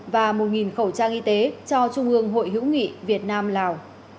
và một khẩu trang y tế cho trung ương hội hữu nghị việt nam lào